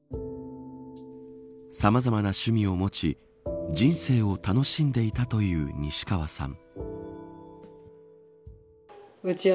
さまざまな趣味を持ち人生を楽しんでいたという西川さん。